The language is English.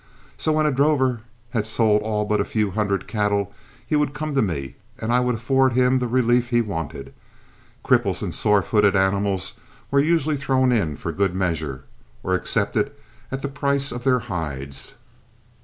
So when a drover had sold all but a few hundred cattle he would come to me, and I would afford him the relief he wanted. Cripples and sore footed animals were usually thrown in for good measure, or accepted at the price of their hides.